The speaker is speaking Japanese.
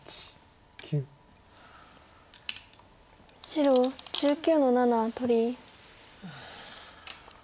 白１９の七取り。